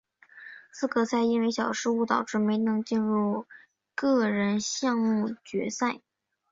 资格赛因为小失误导致没能进入个人项目决赛。